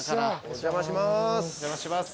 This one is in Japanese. お邪魔します。